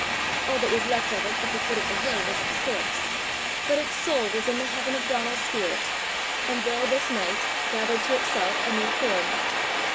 All that was left of it at the foot of the hill was its corpse, but its soul was in the heaven of Donal's spirit, and there this night gathered to itself a new form.